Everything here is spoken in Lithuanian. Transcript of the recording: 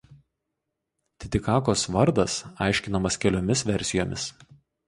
Titikakos vardas aiškinamas keliomis versijomis.